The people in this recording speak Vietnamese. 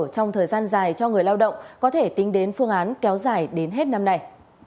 trong thời gian dài cho người lao động có thể tính đến phương án kéo dài đến hết năm nay